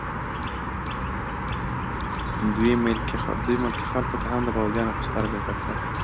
دوی ملکي خلکو ته هم د پوځیانو په سترګه کتل